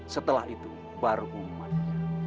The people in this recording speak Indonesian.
setelah itu baru umatnya